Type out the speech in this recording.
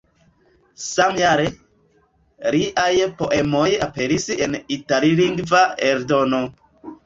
Samjare liaj poemoj aperis en itallingva eldono.